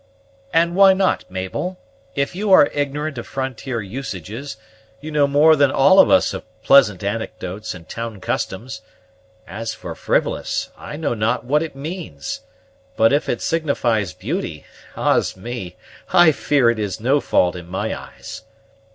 "And why not, Mabel? If you are ignorant of frontier usages, you know more than all of us of pleasant anecdotes and town customs: as for frivolous, I know not what it means; but if it signifies beauty, ah's me! I fear it is no fault in my eyes.